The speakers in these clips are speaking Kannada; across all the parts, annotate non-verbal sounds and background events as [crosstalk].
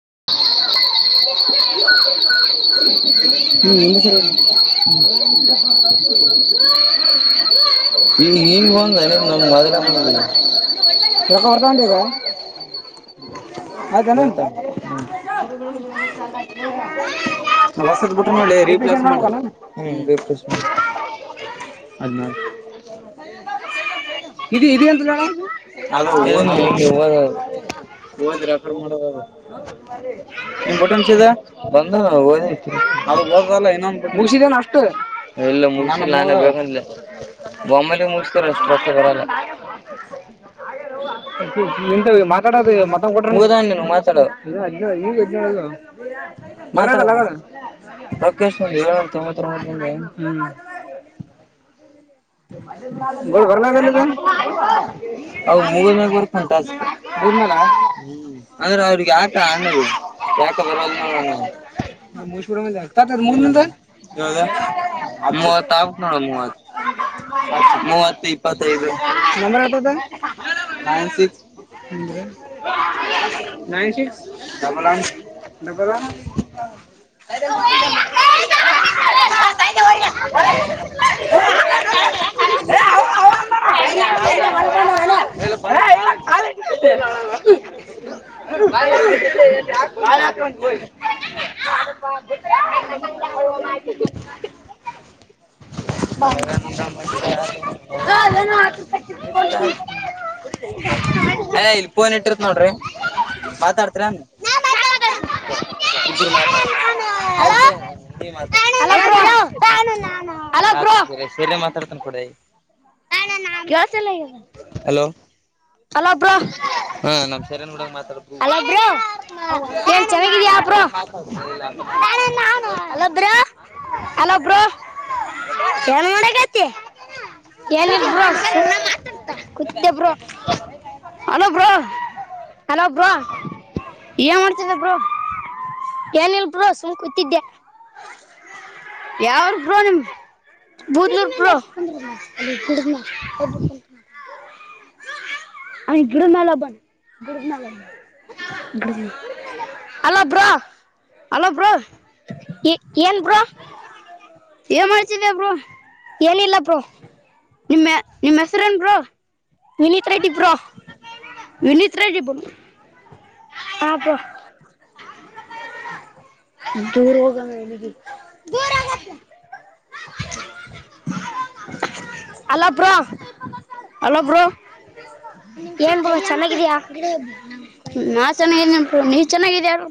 [inaudible] [inaudible] [inaudible] [unintelligible] ಅಯ್ತೆನು ಹೊಸದು ಬಿಟಾನೆಲ್ಲೇ ರಿಫ್ರೆಶ್ ಮಾಡು [unintelligible] [unintelligible] ಇದು ಇದು ಎಂತಕಣ್ಣ ಅದು ಹಾಗೆ ಓದೋದು ಓದಿ ರೆಕಾರ್ಡ್ ಮಾಡೋದು ಅದು ಬಂದನಾ ಹೋದ್ನ ಆಕಿ ಮುಗಿಸಿದೆನ್ನಾ ಅಷ್ಟು ಎಲ್ಲ ಮುಗಸಿಲ್ಲ ನಾನೇ ಬೇಕಂದಿಲ್ಲ ಬೊಮ್ಮೇಲಿ ಮುಗತರ ಅಷ್ಟು ರೊತೆ ಬರಲ್ಲ ಎಂತ ಮಾತಾಡೋದು ಮತ ಕೊಟ್ರ ಹದ ನೀ ಮಾತಾಡ ಹದಿನೆಂಳು ಈಗ ಹದಿನೆಂಳು ಹೇಳಣ್ಣ ಸಮಾಚಾರ ನಿನಗೆ ಹೇ ಬರಲಾಗದ ಆವಾ ಮುಗಿದ್ಮೇಲೆ ಬರ್ತಾನ ತಕೊ ಅಂದ್ರೆ ಅವ್ರಗ್ ಯಾಕ ಹಂಗದು ಯಾಕ ಬರಲ್ಲನ ಆವಾ ತಕರ್ ಮುಂದೆ ಯಾಕ ಮೂವತ್ ಹಾಕ್ ನೋಡ ಮೂವತ್ತ ಮೂವತ್ತು ಇಪ್ಪತ್ತ ಐದು nine six double one double one [unintelligible] [unintelligible] [unintelligible] [unintelligible] [unintelligible] [unintelligible] ಅಯ ಇಲ್ ಪೋನ್ ಇಟ್ಟಿರ್ತ್ ನೋಡ್ರಿ ಮಾತಾಡ್ತಿರ [inaudible] ಹಲೋ ಬ್ರೋ ಅ ಸೇರೆ ಮಾತಾಡ್ತಾರೆ hello hello bro hello bro hello bro hello bro ಚನ್ ನೋಡಕತಿ ಏನ ಇಲ್ಬ್ರ ಸ ಹಣೋ ಬರ ಏನ್ ಮಾಡ್ತಿದಬ್ರು ಏನ್ ಇಲ್ಬೋ ಸುಂ್ ಕೂತಿದ್ದೆ ಯಾವ್ ಬ್ರೋ ನಿಮ್ ಗಿಡ್ಮೇಲೆಬ್ಬ ಅಡ್ಮಬ್ಬ ಅ ಬಿಡನ್ ಮಲ್ಲ ಬ ಗುಡ್ನ ಹಲೋ ಬ್ರ ಏನ್ ಬ್ರಾ ಏನ್ ಮಾಡ್ತಿದಬ್ರು ಏನ ಇಿಲ್ಲಪ್ಪ ನಿಮ್ಮ ನಿಮ್ಮ ಹೆಸರೇನ್ರು ವಿನೀತ್ ರೆಡ್ಡಿಬ್ರೋ ವಿನೀತ್ ರಿ ಬಲ ಆ್ರ ದೂರ ಹೋಗ ಮೇಗೆ ಅಲ ಬ್ರ ನಿಮ್ಸ ತಡಿ ಅಂತ ಗಡ ನಮ ನಾ ಚೆನ್ನಾಗಿದ ನೀ ಚೆನ್ನಾಗಿದಾರು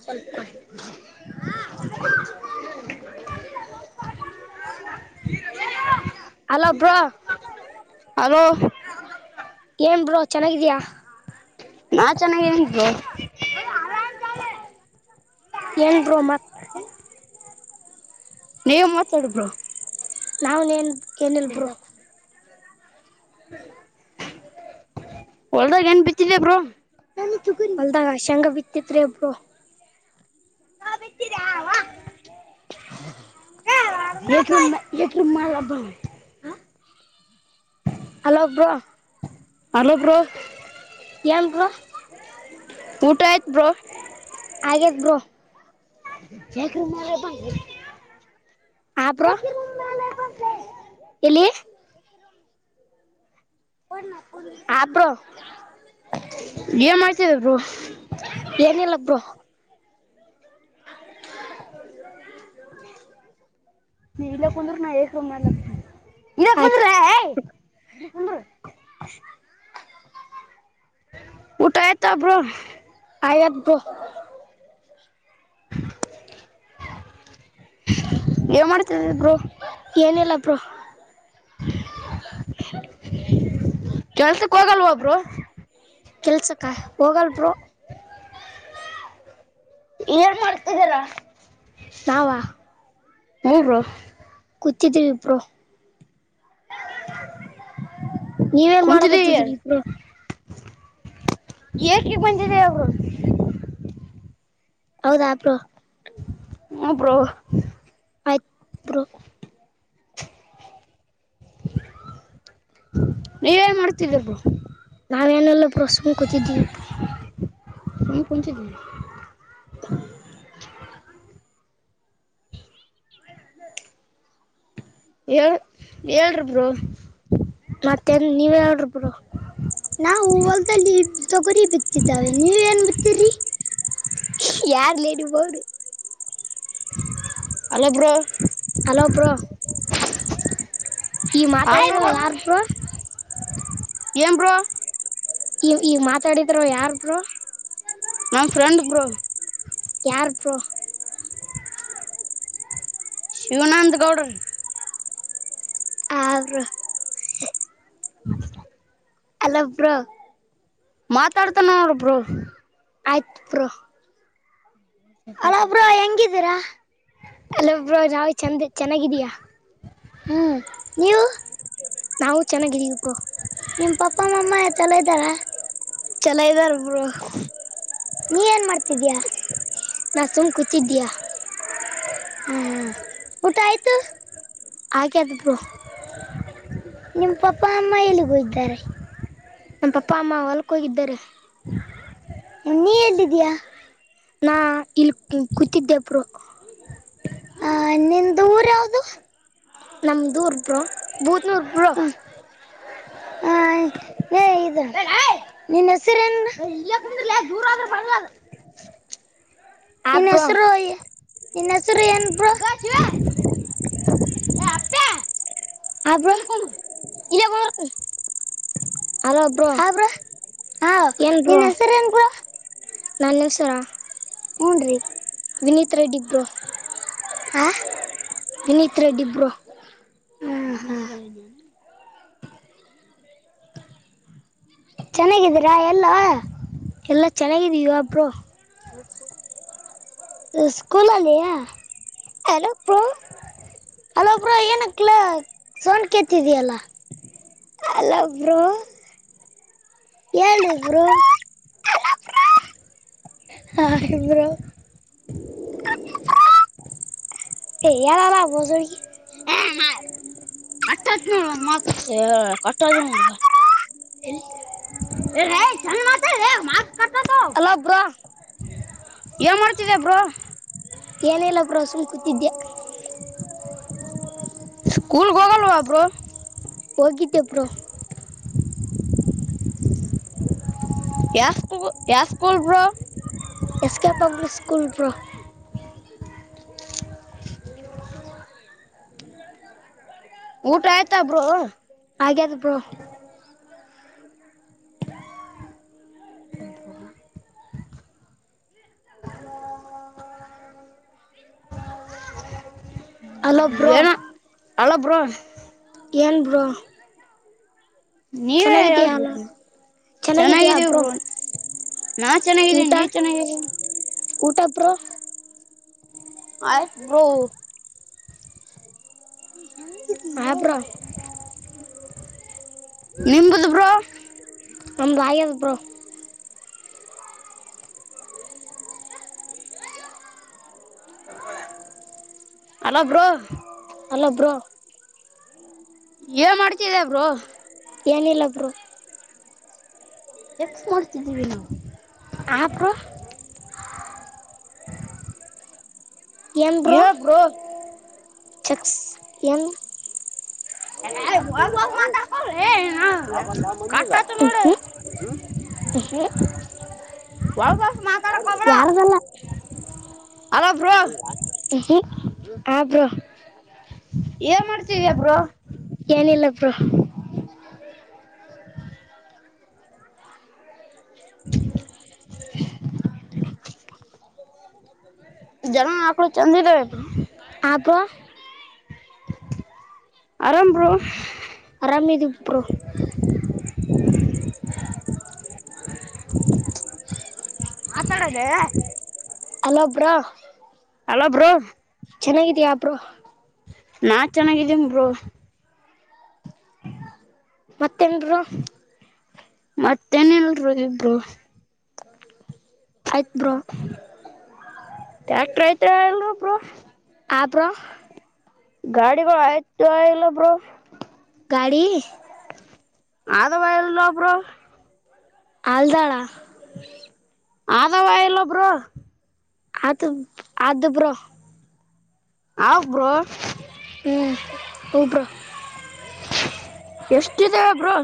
ಸ್ವಲ್ಪ ಅಲಬ್ರ ನಾ ಚೆನ್ನಾಗಿದ್ದು ಹೆಂಗ್ ಬ್ರೋಮ್ಮ ನೀವ ಮಾತಾಡಬರು ನಾವನ್ ಏನ್ ಏನ್ಲ್ಬರು ಹ್ಮ ಒಳದಾಗ ಏನ್ ಬಿಚ್ಚಿಲ್ಲ ಬ್ರೋ ಹೊಲ್ದಾಗ ಶಂಗ ಬಿತ್ತತ್ರಿ ಒಬ್ಬರು ಚು ಹ ಬರ ಹಾಂ ಅಲೋ ಪರೋ ನ್ಕ ಊಟ ಆಯ್ತ್ ಬ್ರೋ ಜಕ ಆಪರೋ ಎಲ್ಲಿ ಆಬ್ರೋ ಏನ್ ಮಾಡ್ತಿದಬ್ರು ಹ ನೀ ಇಲ್ಲಾ ಕುಂದ್ರೆ ನಾ ಹೇಕ್ ರೂ್ಲತ ಇನ್ನ ಕುಂದ ಇನ್ನು ಕುಂದ ಊಟಯತ ಬ್ರೋ ಆಯ್ಾದ್ದು ಹ ಯ್ ಮಾಡ್ತಿದ ಇಬ್ರು ಹ ಚಲ್ ಕೆಲ್ಸಕ್ಕ ಹೋಗಲ್ಬರು ನ್ನ್ ಮಾಡ್ತಿದ್ದೀರಾ ತಾಾವ ಕುಚ್ಚಿದ್ದ ವಿಪ್ರೋ ನೀವೇನ್ ಮಾಡಕ್ದಿದ್ದೀರಿ ಇಪ್ರೆ ಏಕೆ ಕೊಚಿದೆ ಹೌದಾಪ್ರ ಹ ಬೋ ಅ್ರೋ ನೀವೇನ್ ಮಾಡ್ತಿದ್ದಪ್ಪ ಹಾೆ ನಲ್ಲ ಪ್ರಸಂಗ ಕೊತಿಿದೀವಿ ಹ ಪಂಚಿ ದ ಹ ಳ್ ಹೇಳಏರಿಿ ಬರು ಮತ್ತೆನ್ ನೀವ ಹೇಳ ಬಿರು ನಾವು ಹೊಲ್ದಲ್ಲಿ ತೊಗರಿ ಬಿತ್ತಿದ್ದಾವೆ ನೀವ ಏನ್ ಬಿತ್ತೀ್ರಿ ಯಾರ್ ಲೇಡಿ ಬರು ಅಲ್ಲ ಪರ ಹಲೋ ಬ್ರೋ ಈ ಮಾತಾಡಿದವ ಯಾರ್ ಬ್ರೋ ಎಏ ಬರೋ ಈ ಈಗ ಮಾತಾಡಿದರು ಯಾರರು ನಮ್ಮ್ ಫ್ರೆಂಡ್ ಬರು ಯಾರಪೋ ಶಿವನಂದಗಡ ಆ ನಮಸ್ಕಾರ ಅಲವ್ರ ಮಾತಾಡ್ತಾನ್ರಬ್ರು ಆ ಬ್ರೋ ಅಲ್ಲಬ್ರ ಹೆಂಗಿದ್ದೀರಾ ಅಲ್ಲ ಒಬ್್ರ ನಾವ್ ಚೆಂದ ಚೆನ್ನಾಗಿದೀಯಾ ಹ್ಮ್ ನೀವು ನಾವು ಚೆನ್ನಾಗಿದ್ದೀವಿ ನಿಮ್ಮ ಪಾಪ್ಪಾ ಮಮ್ಮಾ ಚಲಯದರ ಚಲ ಇದ್ದಾರಬ್ರು ನೀ ಏನ್ ಮಾಡ್ತಿದೀಯ ಅಸಮ ಕುತಿದಾ ಹ್ಮ ಊಟ ಆಯ್ತು ಹಾಗೆಾದರು ನಿಮ್ಮ ಪಾಪ ಅಮ್ಮ ಎಲ್ಲಿಗಯ್ದಾರೆ ನ ಪಾಪಾ ಅಮ್ಮಾ ವಲ್ಲ ಕ ಇ್ದರ ನೀ ಎಲ್ಲಿದ್ದೀಯ ನಾ ಇಲ್ಲಿ ಕೂತಿದ್ದೆಪರು ಹ ನಮ್ದೂರ್ ಬ್ರೋ ಬೂದನೂರ್ ಬ್ರೋ ಹ್ಮ ಹೆ ಇನಸರು ಇ ಆ್ರ ಇನ್ನ ಒ ಹಬ್ರಾ ಹಾ ನಿನ್ ಹೆಸರ ಏನ್ ಬ್ರ ನಾನೇಶ್ವರ ವಿನೀತ್ ರೆಡ್ ಯಿಕೊ ಹಾ ವಿನೀತ್ ರೆಡ್ ಯಿಕೋ ಹ್ಮ ಹ್ಮ ಚೆನ್ನಾಗಿದ್ದೀರಾ ಎಲ್ಲ ಎಲ್ಲಾ ಚೆನ್ನಾಗಿದೀವ ಇವಾಗ ಬ್ರೋ ಸ್ಕೂಲಲ್ಲಾ ಹಲೋ ಪ್ರೋ ಹಲೊ ಬ್ರೋ ಏನು ಕ್ಲ ಸಂಡ್ ಕತ್ತಿದಯಲ್ಲ ಹಲೊ ಬ್ರೋ ಹೇಳಿ ಬ್ರೋ ಆಶಿ ಬ್ರೋ ಹೇಳಲಾ ಭಿಸುದಿಕೆ ಸರಿ ಕಟ್ಟತ್ ನೋಡುವಮ್ಮತ್ ಕಟ್ಟದ ನೋಡ್ುವ ಜಾನ್ ಮಾತಲೆ ಹಲ್ಲೋ ಬ್ರೋ ಏನ್ ಮಾಡ್ತಿದಿಯಾ ಬ್ರೋ ಏನೇಲ್ಲ ಬ್ರೋ ಸುಮ ಕೂತಿದ್ದೆ ಸ್ಕೂಲ್ ಗೋಗಲ್ವಾ ಬ್ರೋ ಹೋಗಿದೇ ಬ್ರೊ ತ್ಯಾ ಹೋಗತ್ಯಾ school bro S K public school bro ಊಟ ಆಯ್ತ ಬ್ರೋ ಹಾಗ್ಯಾದ bro [inaudible] hello bro hello bro ಎನ ಬ್ರೋ ನೀವೇ ಹೇಳಿ ಚೆನ್ನಾಗಿದೀವ ಬರು ನಾನ್ ಚೆನ್ನಾಗಿದ್ದೀನಿ ನೀವ ಚೆನ್ನಾಗಿದಿ ಆತ ಬ್ರೋ ನಿಮ್ಮದು ಬ್ರೋ ನಮ್ಮದಾಗೈತೆ bro hello bro hello bro ಏನ್ ಮಾಡ್ತಿದಯ ಬ್ರೋ ಏನಿಲ್ಲ ಬ್ರೋ ಎಕ್ಸ್ ಮಾಡ್ತಿದ್ದೀವಿ ನಾವು ಆ ಬ್ರೋ ಹೇಳ್ ಬ್ರೋ ಚಿಪ್ಸ್ ಯಂ ಯಾ ಆ ಬಂದಿಲ್ಲ ಹ್ಮ ಹ್ಮ ವಾ ವಾ ಯಾರ್ದಲ್ಲ ಆಬ್ರೋ ಏನ್ ಮಾಡ್ತೀದಿಯ ಬ್ರೋ ಏನಿಲ್ಲ ಬೋ [inaudible] ಜನ ಆಕಳು ಚಂದಿಲ್ಲ ಅಪ ಆರಾಮ ಬ್ರೊ. ಮತಾಡದೆ. ಹಲೋ ಬ್ರೊ ಹಲೋ ಬ್ರೂ ಚೆನ್ನಾಗಿದ್ಯ ಬ್ರೊ. ನಾನ್ ಚೆನ್ನಾಗಿದ್ದೀನಿ ಬ್ರೊ. ಮತ್ತೇನ್ ಬ್ರೋ ಮತ್ತೇನಲ್ರು ಬ್ರೋ ಇಬು. ಆಯ್ತ ಬ್ರೋ. ಟ್ಯಾಕ್ಟ್ರ ಅಯ್ತ ಅಲ್ ಬ್ರೋ. ಅ ಬ್ರೋ. ಗಾಡಿಗಳು ಆಯ್ತ ಎಲ್ಲ ಬ್ರೋ. ಗಾಡಿ ಆದವ ಇಲ್ಲ ಬ್ರೋ. ಆಲ್ದಳ ಆದವಾ ಇಲ್ಲ ಬ್ರೋ. ಅತು ಅತು ಬ್ರೋ. ಹ ಬ್ರೋ. ಹು ಬ್ರೋ. ಎಷ್ಟಿದಾವೆ ಬ್ರೋ.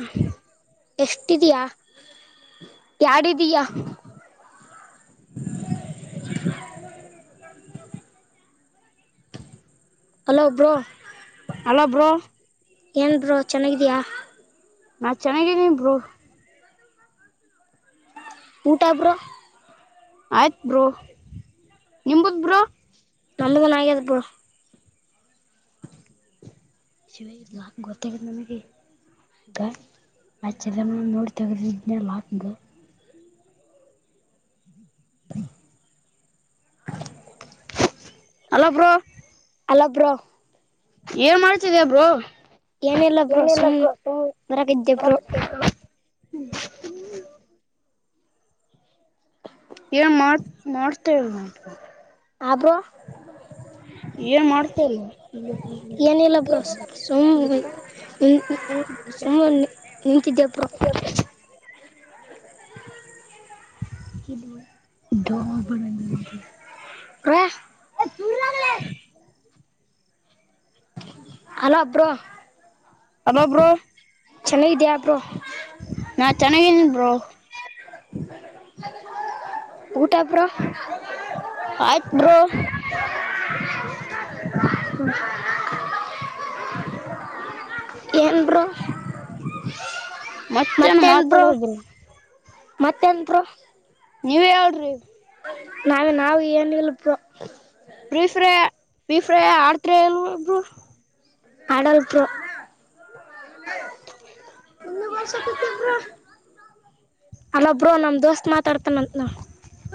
ಎಷ್ಟಿದಯ ಯಡಿದೀಯ. Hello bro. Hello bro. ಏನ್ ಬ್ರೋ ಚನ್ನಾಗಿದ್ಯ. ನಾ ಚೆನ್ನಾಗಿದಿನಿ ಬ್ರೋ. ಊಟ ಬ್ರೋ. ಆಯ್ತ್ ಬ್ರೋ ನಿಮದ್ ಬ್ರೋ. ನನಗನ ಆಗ್ಯದ ಬ್ರೋ. ಶಿವ ಲ ಗೊತ್ತ ನಿ [unintelligible] [unintelligible] ಗ ಆಚದ ನೋಡಿ ತಗೆದನಲ್ಲಾಕ್ದು. Hello bro. Hello bro. ಏನ್ ಮಾಡ್ತಿದಿಯ ಬ್ರೋ. ಏನಿಲ್ಲ ಬ್ರೋ ಸುಮನೆ [unintelligible] [inaudible] ಏನ್ ಮಾಡ್ ಮಾಡ್ತೇವೆ ಮಾಡ್. ಆ ಬ್ರೋ. ಏನ್ ಮಾಡ್ತೇ. [unintelligible] ನಿಂತಿದ್ದೆ ಬ್ರೋ [inaudible] [unintelligible] ಬಳ ನಿಮಗೆ. [inaudible] Hello bro. Hello bro. ಚೆನ್ನಾಗಿದ್ಯಾ ಬ್ರೋ. ನಾನ್ ಚೆನ್ನಾಗಿದ್ದೀನಿ ಬ್ರೋ. ಊಟ ಬ್ರೋ. ಆಯ್ತ ಬ್ರೋ. ಎನ್ ಬ್ರೋ. ಮತ್ತ್ ಎನ್ ಮಾತಾಡೋದು. ಮತ್ತೆನ್ ಬ್ರೋ. ನೀವೆ ಹೇಳಿ ಬ್ರೋ. ನಾವೇ ನಾವು ಏನ್ ಎಲಪ್ಪೊ. ಫ್ರೀ ಫ್ರೈ ಫ್ರಿ ಫ್ರೈ ಆಡ್ತಿರೊ ಇಲ್ವೋ ಬ್ರೋ. ಅಡಲ್ ಬ್ರೋ. [unintelligible] ಬ್ರೋ ಅಲ್ಲೊ ಬ್ರೋ ನಮ್ ದೋಸ್ತ್ ಮಾತಾಡ್ತನಂತ ನೊಡ್.